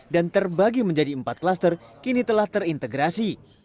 dan terbagi menjadi empat klaster kini telah terintegrasi